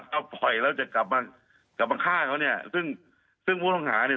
เอาปล่อยแล้วจะกลับมากลับมาฆ่าเขาเนี่ยซึ่งซึ่งผู้ต้องหาเนี่ย